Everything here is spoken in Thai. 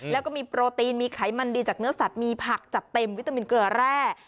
แล้วก็มีโปรตีนมีไขมันดีจากเนื้อสัตว์มีผักจัดเต็มวิตามินเกลือแร่